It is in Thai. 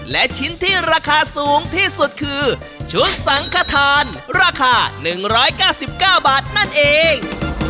และชิ้นที่ราคาสูงที่สุดคือชุดสังขทานราคา๑๙๙บาทนั่นเอง